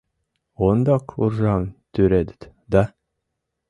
— Ондак уржам тӱредыт да...